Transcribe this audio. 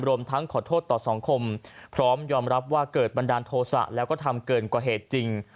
รวมทั้งขอโทษต่อสังคมพร้อมยอมรับว่าเกิดบันดาลโทษะแล้วก็ทำเกินกว่าเหตุจริง